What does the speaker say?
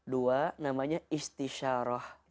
dua namanya istigharah betul